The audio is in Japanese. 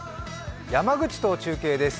山口と中継です。